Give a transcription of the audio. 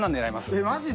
えっマジで？